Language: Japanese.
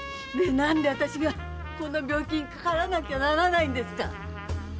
なんで私が、この病気にかからなきゃならないんですか。